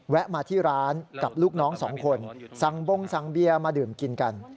แวะมาที่ร้านกับลูกน้อง๒คนซั่งบ้งซังเบียมาดื่มกินกัน